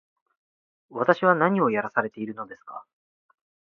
私は何をやらされているのですか